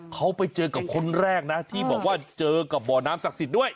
เขาไปเจอกับคนแรกนะที่บอกว่าเจอกับบ่อน้ำศักดิ์สิทธิ์ด้วย